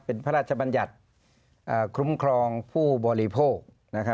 เป็นพระราชบัญญัติคุ้มครองผู้บริโภค